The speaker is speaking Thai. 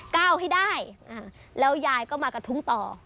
ก้าวให้ได้แล้วยายก็มากระทุ้งต่อ